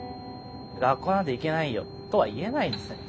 「学校なんて行けないよ」とは言えないんですね。